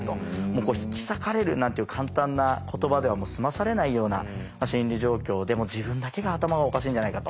「引き裂かれる」なんていう簡単な言葉では済まされないような心理状況で自分だけが頭がおかしいんじゃないかと。